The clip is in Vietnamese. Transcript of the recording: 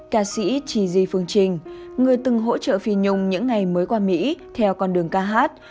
ca sĩ chy phương trình người từng hỗ trợ phi nhung những ngày mới qua mỹ theo con đường ca hát